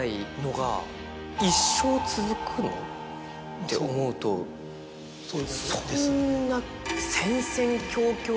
って思うとそんな。